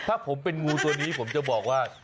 ถ้าผมเป็นงูตัวนี้ผมจะบอกว่า